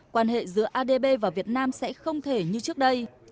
quan hệ giữa adb và việt nam sẽ không thể như trước đây